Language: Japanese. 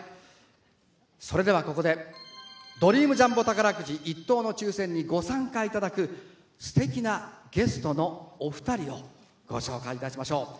それでは、ここでドリームジャンボ宝くじ１等の抽せんにご参加いただくすてきなゲストのお二人をご紹介いたしましょう。